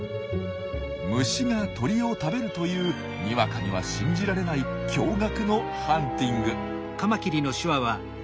虫が鳥を食べるというにわかには信じられない驚がくのハンティング。